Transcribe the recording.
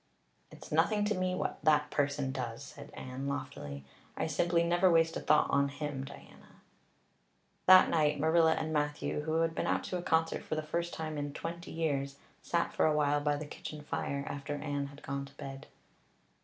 "It's nothing to me what that person does," said Anne loftily. "I simply never waste a thought on him, Diana." That night Marilla and Matthew, who had been out to a concert for the first time in twenty years, sat for a while by the kitchen fire after Anne had gone to bed.